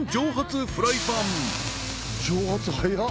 蒸発早っ！